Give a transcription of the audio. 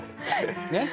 ねっ？